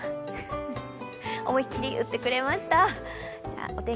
思い切り打ってくれました。